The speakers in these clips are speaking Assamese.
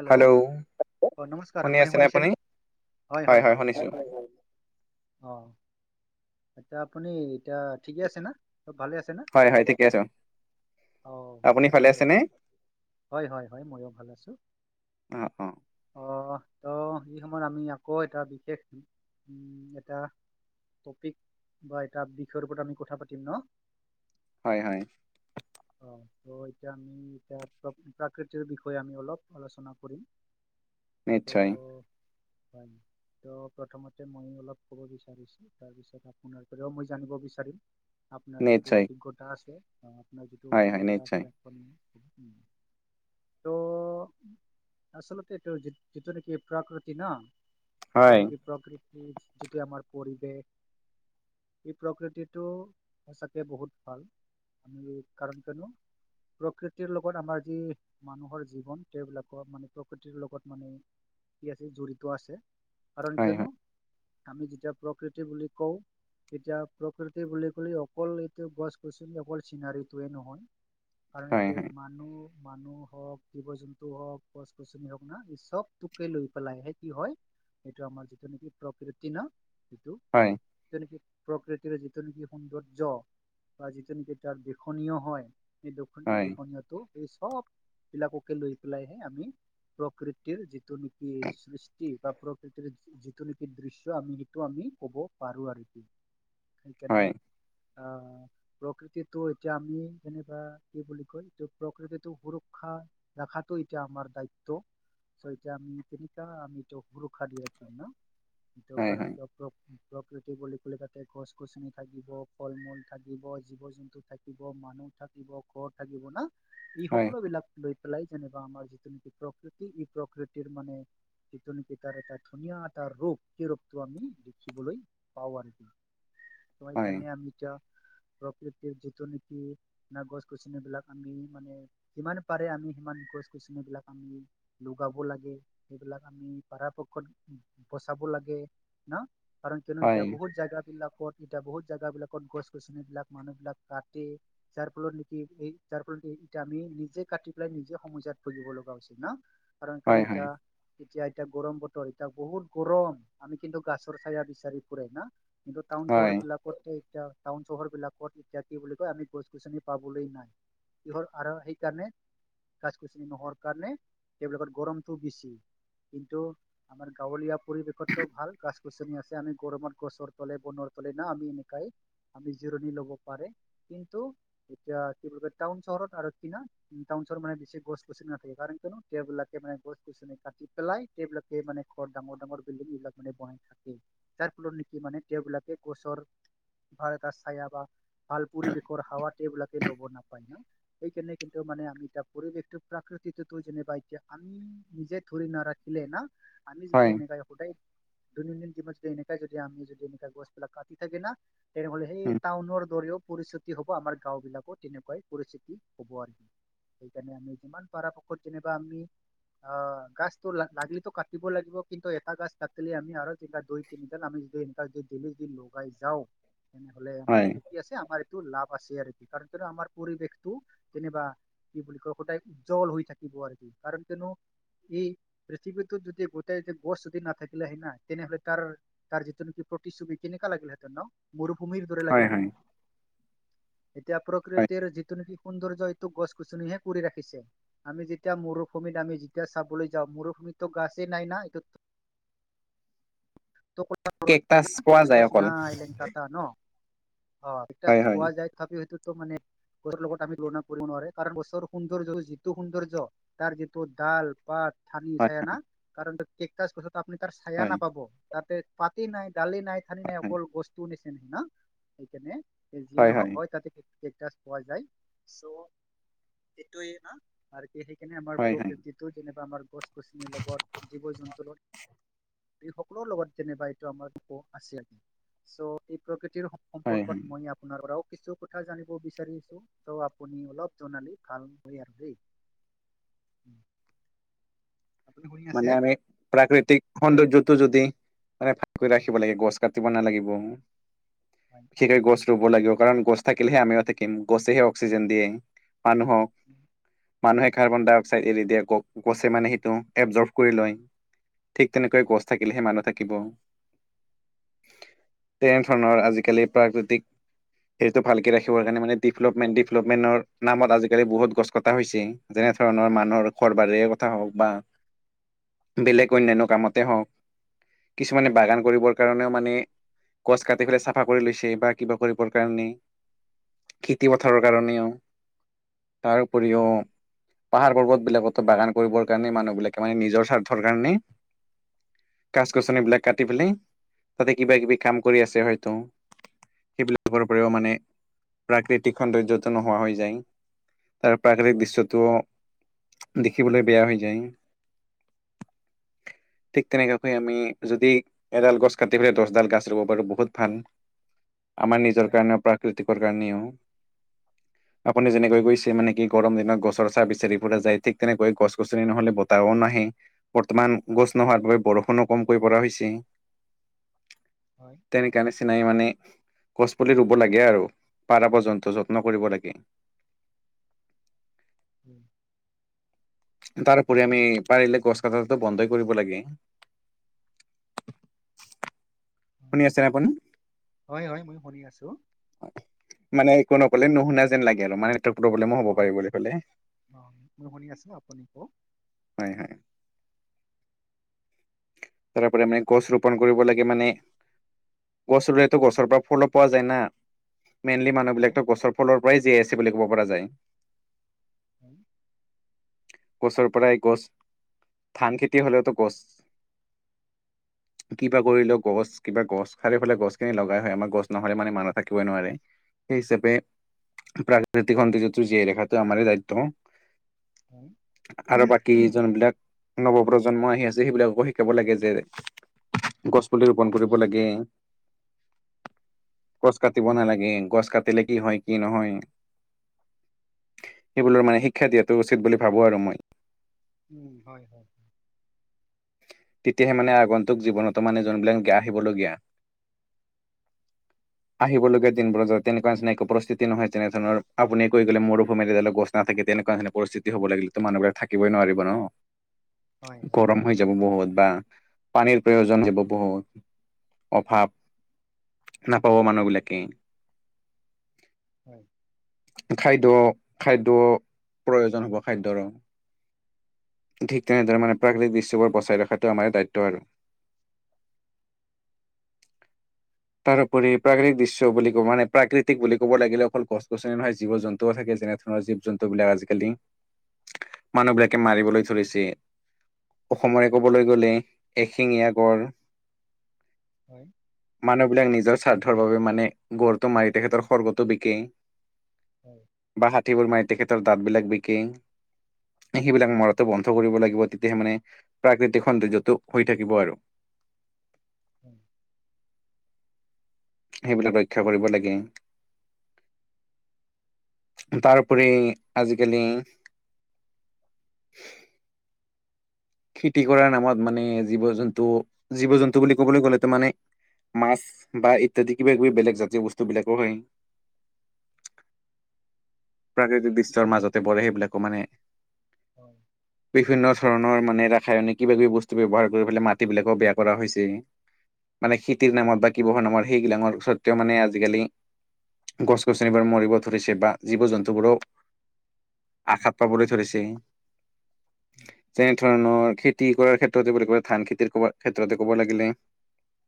হেল্ল'। অ নমস্কাৰ, শুনি আপুনি আছেনে শুনিছেনে? হয় হয় হয় মই শুনিছোঁ। অ' এতিয়া আপুনি এতিয়া ঠিকে আছে না? চব ভালে আছ হয় হয় ঠিকে আছোঁ। অ' আচ্ছা ঠিক আছে। হয় হয় হয় ময়ো ভাল আছোঁ। অ', অ'। অহ ত' এই সময়ত আমি আকৌ এটা বিশেষ উম, এটা টপিক বা এটা বিষয়ৰ ওপৰত আমি কথা পাতিম ন'? হয় হয়। অ'। ত' এতিয়া আমি এতিয়া প্ৰাকৃতিৰ বিষয়ে আমি অলপ আলোচনা কৰিম, ত' নিশ্চয় হয়। ত' প্ৰথমতে ময়ো অলপ ক'ব বিচাৰিছোঁ। তাৰপিছত আপোনাৰ পৰাও মই জানিব বিচাৰিম। আপোনাৰ যিটো নিশ্চয় অভিজ্ঞতা আছে, আপোনাৰ যিটো হয় হয় অভিজ্ঞতা নিশ্চয় আছে ত' আচলতেটো যিটো নেকি প্ৰকৃতি না, যিটো হয় নেকি প্ৰকৃ এই যিটো আমাৰ পৰিৱেশ এই প্ৰকৃতিটো সঁচাকে বহুত ভাল। আমি কাৰণ কেনো প্ৰকৃতিৰ লগত আমাৰ যি মানুহৰ জীৱন সেইবিলাকৰ মানে প্ৰকৃতিৰ লগত মানে কি আছে জড়িত আছে। কাৰণ হয় হয় কিয়নো আমি যেতিয়া প্ৰকৃতি বুলি কওঁ এতিয়া প্ৰকৃতি বুলি ক'লে অকল এইটো গছ গছনি অকল চিনাৰীটোয়ে নহয়। কাৰণ হয় এতে মানুহ মানুহ হওক, জীৱ জন্তু টো হওক, গছ গছনি হওক না এই চবটোকে লৈ পেলাইহে কি হয় এইটো আমাৰ যিটো নেকি প্ৰকৃতি না সেইটো হয়। যিটো নেকি প্ৰকৃতিৰে যিটো নেকি সৌন্দৰ্য বা যিটো নেকি তাৰ দিশনীয় হয় এই দু হয় দিশনিয়টো এই চববিলাককে লৈ পেলাইহে আমি প্ৰকৃতিৰ যিটো নেকি সৃষ্টি বা প্ৰকৃতিৰ যিটো নেকি দৃশ্য আমি সেইটো আমি ক'ব পাৰোঁ আৰকি সেইকাৰণে হয় অ'। প্ৰকৃতিটো এতিয়া আমি যেনিবা, কি বুলি কয় এইটো প্ৰকৃতিটো সুৰক্ষা দেখটো এতিয়া আমাৰ দায়িত্ব। চ' এতিয়া আমি তেনেকা আমি এইটো সুৰক্ষা দি ৰাখিম ন' হয় হয় হয় [unintelligible] প্ৰকৃতি বুলি ক'লে থাকে গছ গছনি থাকিব, ফল মূল থাকিব, জীৱ জন্তু থাকিব মানুহ থাকিব ঘৰ থাকিব না এই হয় সকলো বিলাক লৈ পেলাই যেনিবা আমাৰ যিটো নিকি প্ৰকৃতি এই প্ৰকৃতিৰ মানে যিটো নিকি তাৰ এটা ধুনীয়া এটা ৰোপ সেই ৰোপটো আমি দেখিবলৈ পাওঁ আৰু কি হয় কাণে আমি এতিয়া প্ৰকৃতিৰ যিটো নিকি না গছ গছনিবিলাক আমি মানে যিমান পাৰে আমি সিমান গছ গছনিবিলাক আমি লগাব লাগে সেইবিলাক আমি পৰাপক্ষত বচাব লাগে ন কাৰণ কিয়ো ইতিয়া বহুত জাগা বিলাক ত এতিয়া বহুত জেগাবিলাকত গছ গছনিবিলাক মানুহ বিলাক কাটি যাৰ ফলত নিকি এই যাৰ ফলত এ ইতা আমি নিজে কাটি পেলাই নিজে সমস্যাত ভুগিব লগা হৈছে ন কাৰণ হয় কিয়নো ইতা এতিয়া এতিয়া গৰম বতৰ এতিয়া বহুত গৰম আমি কিন্তু গাছৰ চায়া বিচাৰি ফুৰে না কিন্তু টাউন চহৰ হয় বিলাক কতে এতিয়া টাউন চহৰ বিলাকত এতিয়া কি বুলি কয় আমি গছ গছনি পাবলৈ নাই কিহৰ আৰো সেই কাৰনে গাছ গছনি নোহোৱাৰ কাৰণে সেইবিলাকত গৰমটো বেছি কিন্তু আমাৰ গাঁৱলীয়া পৰিৱেশতও ভাল গাছ গছনি আছে আমি গৰমত গছৰ তলে বনৰ তলে না আমি এনেকাই আমি জিৰণি ল'ব পাৰে কিন্তু এতিয়া কি বুলি কয় টাউন চহৰত আৰু কিনা টাউন চহৰ মানে বেছি গছ গছনি নাথাকে কাৰণ কোনো তেওবিলাকে মানে গছ গছনি কাতি পেলাই গোটেইবিলাকে মানে ঘৰ ডঙৰ ডাঙৰ বিল্ডিং এইবিলাকে বনাই থাকে যাৰ ফলত নিকি মানে তেওঁবিলাকে গছৰ হয়টা চায়া বা ভাল পৰিবেশৰ হাৱা তেওবিলাকে ল'ব নাপায় না সেইকাৰণে কিন্তু মানে নিজা পৰিবেশটো প্ৰাকৃতিটো তো যেনিবা এতিয়া আমি নিজে ধৰি নাৰাখিলে না আমি হয় যদি হয় এনেকাই সদায় দৈনন্দিন দিনত যদি এনেকাই যদি আমি যদি এনেকা গছবিলাক কাটি থাকে না তেনেহলে সেই উম টাউনৰ দৰেও পৰিস্থিতি হব আমাৰ গাও বিলাকৰ তেনেকুৱাই পৰিস্থিতি হব আৰু কি সেইকাৰণে আমি যিমান পাৰাপক্ষত যেনিবা আমি অ গছতো লাগিলে টো কাটিব লাগিব কিন্তু এটা গাছ কাটিলে আমি আৰু তেতিয়া দুই তিনিডাল আমি যদি এ ভেলি ডেলি যদি লগাই যাওঁ তেনেহ'লে আমাৰ হয় এ কি আছে আমাৰ এইটো লাভ আছে আৰু কাৰণ কিয়নো আমাৰ পৰিৱেশটো যেনিবা কি বুলি কয় সদায় উজ্জ্বল হৈ থাকিব আৰু কি কাৰণ কিয়নো এই পৃথিৱীতো যদি গোটেই গছ যদি নাথাকিলে হয় না তেনেহলে তাৰ তাৰ যিটো নিকি প্ৰতিচ্ছবি কেনেকা লাগিলে হেঁতেন ন মৰুভূমিৰ দৰে হয় হয় লাগিলেহেতেন এতিয়া হয় প্ৰকৃতিৰ যিটো নিকি সৌন্দৰ্য এইটো গছ গছনিহে কৰি ৰাখিছে আমি যেতিয়া মৰুভূমিত আমি যেতিয়া চাবলৈ যাওঁ মৰুভমিতো গাছেই নাই না এইটো [unintelligible] কেকটাচ পোৱা যায় গছ অকল নাই লেংটাতা ন অ [unintelligible] হয় হয় কৰা যায় তথাপিও হেইটোত মানে ঘৰৰ লগত আমি তুলনা কৰিব নোৱাৰে কাৰণ গছৰ সৌন্দৰ্য যিটো সৌন্দৰ্য তাৰ যিটো ডাল পাত থানি হয় চায়া না কাৰণ কেকটাচ গছতটো আপনি তাৰ চায়া হয় নাপাব তাতে পাতে নাই দালে নাই ঠানি নাই হয় অকল গছটুৰ নিছেনা না সেইকাণে যিয়ে নহওক হয় তাতে কেকটাছ পোৱা যায় চ' সেইটোৱে না আৰু কি সেইকাৰণে আমাৰ হয় হয় প্ৰকৃতিতো যেনিবা আমাৰ গছ গছনিৰ লগত জীৱ জন্তুৰো সকলোৰ লগত যেনিবা এইটো আমাৰ সম্পৰ্ক আছে আৰ কি চ এই প্ৰকৃতিৰ হয় সম্পৰ্ক হয় ত মই আপ আপোনাৰ পৰাও কিছু কথা জানিব বিচাৰিছো ত' আপুনি অলপ জনালে ভাল হয় আৰু দেই আপুনি শুনি আছে মানে আমি প্ৰাকৃতিক সৌন্দৰ্যটো যদি মানে ভালকৈ ৰাখিব লাগে, গছ কাটিব নালাগিব। হয়। গতিকে গছ ৰুব লাগিব। কাৰণ গছ থাকিলেহে আমিও থাকিম, গছেহে অক্সিজেন দিয়ে- মানুহক। মানুহে কাৰ্বন ডাই অক্সাইড এৰি দিয়ে, গছে মানে সেইটো- এবজৰভ কৰি লয়, ঠিক তেনেকৈ গছ থাকিলেহে মানুহ থাকিব। এনে ধৰণৰ আজিকালি প্ৰাকৃতিক- সেইটো ভালকে ৰাখিবৰ কাৰণে মানে ডিভলপমেণ্ট ডিভলপমেণ্টৰ নামত আজিকালি বহুত গছ কটা হৈছে। যেনে ধৰণৰ মানুহৰ ঘৰ বাৰিৰে কথা হওঁক বা- বেলেগ অন্যান্য কামতে হওঁক, কিছুমানে বাগান কৰিবৰ কাৰণেও মানে- গছ কাটি পেলাই চাফা কৰি লৈছে বা কিবা কৰিবৰ কাৰণে্ খেতি পথাৰৰ কাৰণেও। তাৰ উপৰিও হয় পাহাৰ পৰ্বত বিলাকতো বাগান কৰিবৰ কাৰণে মানুহ বিলাক- মানে নিজৰ স্বাৰ্থৰ কাৰণে- গাছ গছনি বিলাক কাটি পেলাই তাতে কিবা কিবি কাম কৰি আছে হয়তো। সেইবিলাকৰ পৰাও মানে প্ৰাকৃতিক সৌন্দৰ্যটো নোহোৱা হৈ যায়। তাৰ প্ৰাকৃতিক হয় দৃশ্যটো দেখিবলৈ বেয়া হৈ যায়। ঠিক তেনেকাকৈ আমি যদি এডাল গছ কাটি পেলাই দচডাল গাছ ৰুব পাৰোঁ বহুত ভাল। আমাৰ নিজৰ হয় কাৰণে প্ৰাকৃতিকৰ কাৰণেও- [inaudible] আপুনি যেনেকৈ গৈছে মানে কি গৰম দিনত গছৰ ছাঁ বিচাৰি ফুৰা যায়, ঠিক তেনেকৈ গছ-গছনি ন'হলে ব- তাহও নাহে। বৰ্তমান গছ নোহোৱাকৈ বৰষুণো কমকৈ পৰা হৈছে। হয়। তেনেকা নিচিনা মানে গছ পুলি ৰুব লাগে আৰু পাৰা পৰ্যন্ত যত্ন কৰিব লাগে। উম। তাৰপৰি আমি পাৰিলে গছ কটা টো বন্ধই কৰিব লাগে। শুনি আছে আপুনি? হয়, হয়, মই শুনি আছোঁ। মানে একো নকলে নুশুনে যেন লাগে আৰু মা- প্ৰব্লেমো হ'ব অ পাৰি বুলি কলে, অ মই শুনি আছো আপুনি কওক হয় হয়। তাৰে পৰা মানে গছ ৰোপন কৰিব লাগে মানে- গছ ৰুলেতো গছৰ পৰা ফুলো পোৱা যায় না। মেইনলি হয় মানুহবিলাকতো গছৰ ফলৰ পৰাই জীয়াই আছে বুলি ক'ব পৰা যায়। [inaudible] গছৰ পৰাই গছ, ধান খেতি হ'লেওতো গছ, - কিবা কৰিলেও গছ, কিবা গছ, চাৰিও ফালে গছখিনি লগাই হয় আমাৰ গছ নহ'লে মানে মানুহ থাকিবই নোৱাৰে। সেই হিচাপে প্ৰাকৃতিক সৌন্দৰ্য্যটো জীয়াই ৰখাটো আমাৰেই দায়িত্ব। হয় আৰু বাকী যোনবিলাক নৱপ্ৰজন্ম আহি আছে সেইবিলাককো - শিকাব লাগে যে গছ পুলি ৰোপন কৰিব লাগে। গছ কাটিব নালাগে, গছ কাটিলে কি হয় কি নহয়- সেইবোৰৰ মানে শিক্ষা দিয়াটো উচিত বুলি ভাবো আৰু মই। উম, হয় হয়। তেতিয়াহে মানে আগন্তুক জীৱনটো মানে যোনবিলাক আহিবলগীয়া- [inaudible] আহিবলগীয়া দিনবোৰত যত তেনেকুৱা নিচিনা একো পৰিস্থিতি নহয় তেনেধৰণৰ, আপুনি কৈ গ'লে মৰুভূমি গছ- নাথাকে তেনেকুৱা ধৰণৰ পৰিস্থিতি হ'ব লাগিলে মানুহবিলাক থাকিবই নোৱাৰিব ন, হয় হয় গৰম হৈ- বহুত বা পানীৰ প্ৰয়োজন যাব বহুত অভাৱ নাপাব মানুহবিলাকে হয় খাদ্য, খাদ্য, প্ৰয়োজন হ'ব খাদ্যৰো ঠিক তেনেদৰে মানে প্ৰাকৃতিক দৃশ্যবোৰ বচাই ৰখাটো আমাৰে দায়িত্ব আৰু। [inaudible] তাৰোপৰি প্ৰাকৃতিক দৃশ্য বুলি ক, মানে প্ৰাকৃতিক বুলি ক'ব লাগিলে অকল গছ গছনি নহয় জীৱ জন্তুও থাকে, যেনে ধৰণৰ জীৱ জন্তুবিলাক আজিকালি মানুহ বিলাকে মাৰিবলৈ ধৰিছে অসমৰে ক'বলৈ গ'লে আশিঙীয়া গড় হয় মানুহ বিলাক নিজৰ স্বাৰ্থৰ বাবে মানে গড়টো মাৰি তেখেতৰ খৰ্গটো বিকে হম বা হাতীবোৰ মাৰি তেখেতৰ দাঁতবিলাক বিকে সেইবিলাক মৰাতে বন্ধ কৰিব লাগিব, তেতিয়াহে মানে প্ৰাকৃতিক সৌন্দৰ্যটো হৈ থাকিব আৰু। [inaudible] সেইবিলাক ৰক্ষা কৰিব লাগে তাৰোপৰি আজিকালি খেতি কৰাৰ নামত মানে জীৱ জন্তু, জীৱ জন্তু বুলি ক'বলৈ গ'লে তো মানে মাছ বা ইত্যাদি কিবা কিবি বেলেগ জাতীয় বস্তু বিলাকো হয় [inaudible] প্ৰাকৃতিক দৃশ্যৰ মাজতে পৰে সেইবিলাকো মানে অঁ বিভিন্ন ধৰণ মানে ৰাসায়নিক কিবা কিবি বস্তু ব্যৱহাৰ কৰি পেলাই মাটি বিলাকো বেয়া কৰা হৈছে মানে ক্ষতিৰ হয় নামত বা কিবা হনৰ নামত সেইবিলাকৰ স্বত্বেও মানে আজিকালি গছ গছনিবোৰ মৰিব ধৰিছে বা জীৱ জন্তুবোৰো আঘাত পাবলৈ ধৰিছে উম তেনে ধৰণৰ খেতি কৰাৰ ক্ষেত্ৰতে বুলি ক'লে ধান খেতিৰ ক ক্ষেত্ৰতে ক'ব লাগিলে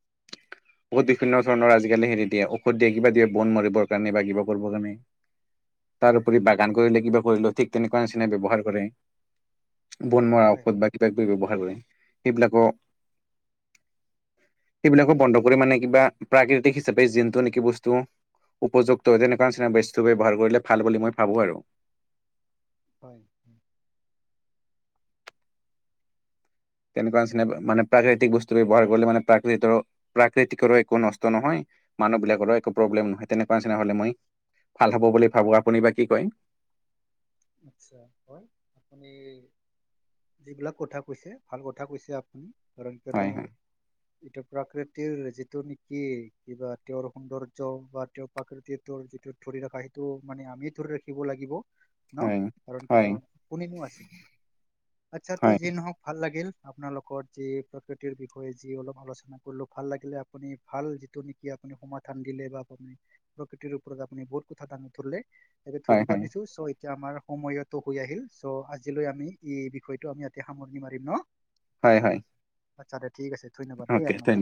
[inaudible] ঔষধ বিভিন্ন ধৰণৰ আজিকালি হেৰি দিয়ে ঔষধ দিয়ে কিবা দিয়ে বন মাৰিবৰ কাৰণে বা কিবা কৰিবৰ কাৰণে [inaudible] তাৰপৰি বাগান কৰিলে, কিবা কৰিলেও ঠিক তেনেকুৱা নিচিনা ব্যৱহাৰ কৰে বন মৰাৰ হয় ঔষধ বা কিবাকিবি ব্যৱহাৰ কৰে, সেইবিলাকো সেইবিলাকো বন্ধ কৰি মানে কিবা প্ৰাকৃতিক হিচাপে যোনটো নেকি বস্তু উপযুক্ত তেনেকুৱা নিচিনা বস্তু ব্যৱহাৰ কৰিলে ভাল বুলি মই ভাবোঁ আৰু হয় তেনেকুৱা নিচিনা মানে প্ৰাকৃতিক বস্তু ব্যৱহাৰ কৰিলে মানে প্ৰাকৃতি প্ৰাকৃতিকৰো একো নষ্ট নহয় মানুহ বিলাকৰো একো প্ৰব্লেম নহয় তেনেকুৱা নিচিনা হলে মই ভাল হ'ব বুলি ভাবো আপুনি বা কি কয় আচ্ছা হয় আপুনি যিবিলাক কথা কৈছে ভাল কথা কৈছে আপুনি কাৰণ হয় কিয়নো হয় এইটো প্ৰাকৃতিৰ যিটো নেকি কিবা তেওঁৰ সৌন্দৰ্য বা প্ৰাকৃতিটোৰ যিটো ধৰি ৰাখা সেইটো মানে আমি ধৰি ৰাখিব লাগিব ন হয় কাৰণ হয় কিয়নো কোনে নো আছে আচ্ছা তো হয় যি নহওক ভাল লাগিল আপোনালোকৰ যি প্ৰকৃতিৰ বিষয়ে যি অলপ আলোচনা কৰিলো ভাল লাগিলে আপুনি ভাল যিটো। কি আপুনি সমাধান দিলে বা আপুনি প্ৰকৃতিৰ ওপৰত আপুনি বহুত কথা দাঙি ধৰিলে। তাতে হয় ধন্যবাদ হয় দিছো চ' এতিয়া আমাৰ সময়তো হৈ আহিল চ' আজিলৈ আমি। ই বিষয়টো আমি ইয়াতে সামৰণি মাৰিম ন। হয় হয়। আচ্ছা দে ঠিক আছে ধন্যবাদ দেই আপোনাক ধ।